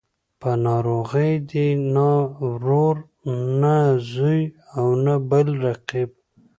په ناروغۍ دې نه ورور او نه زوی او نه بل قريب.